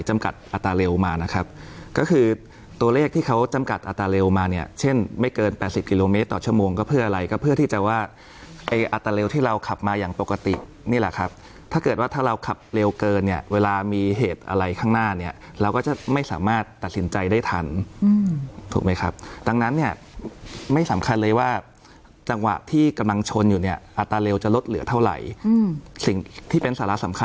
เมตรต่อชั่วโมงก็เพื่ออะไรก็เพื่อที่จะว่าไออัตราเร็วที่เราขับมาอย่างปกตินี่แหละครับถ้าเกิดว่าถ้าเราขับเร็วเกินเนี่ยเวลามีเหตุอะไรข้างหน้าเนี่ยเราก็จะไม่สามารถตัดสินใจได้ทันถูกไหมครับดังนั้นเนี่ยไม่สำคัญเลยว่าจังหวะที่กำลังชนอยู่เนี่ยอัตราเร็วจะลดเหลือเท่าไหร่สิ่งที่เป็นสาระสำ